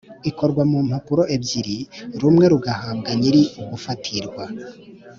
ikorwa mu mpapuro ebyiri, rumwe rugahabwa nyiri ugufatirwa